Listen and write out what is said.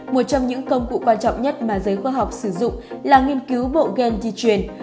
một trong những công cụ quan trọng nhất mà giới khoa học sử dụng là nghiên cứu bộ gen di truyền